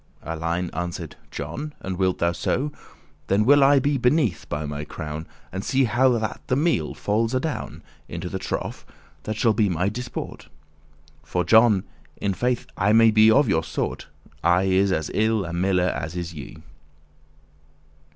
Alein answered, "John, and wilt thou so? Then will I be beneathe, by my crown, And see how that the meale falls adown Into the trough, that shall be my disport*: *amusement For, John, in faith I may be of your sort; I is as ill a miller as is ye."